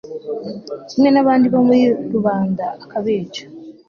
kimwe n'abandi bo muri rubanda akabica